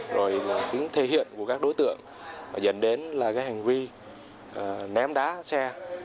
rồi là tính thể hiện của các đối tượng dẫn đến là cái hành vi ném đá xe